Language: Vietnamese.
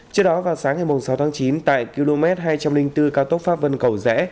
trước đó vào sáng ngày sáu tháng chín tại km hai trăm linh bốn cao tốc pháp vân cầu rẽ